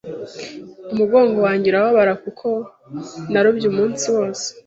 Umugongo wanjye urababara kuko narobye umunsi wose.